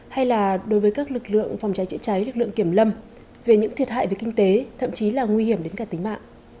hay là đối với các lực lượng phòng cháy chữa cháy lực lượng kiểm lâm về những thiệt hại về kinh tế thậm chí là nguy hiểm đến cả tính mạng